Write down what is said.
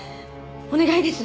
お願いです！